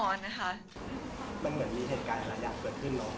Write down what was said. มันเหมือนมีเหตุการณ์หลายอย่างเกิดขึ้นเนอะ